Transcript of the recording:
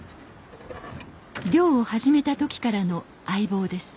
漁を始めた時からの相棒です。